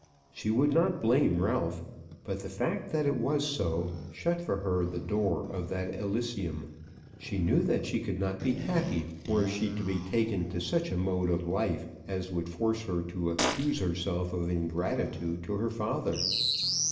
She would not blame Ralph. But the fact that it was so, shut for her the door of that Elysium. She knew that she could not be happy were she to be taken to such a mode of life as would force her to accuse herself of ingratitude to her father.